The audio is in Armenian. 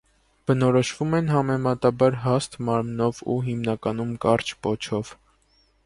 Բնորոշվում են համեմատաբար հաստ մարմնով ու հիմնականում կարճ պոչով։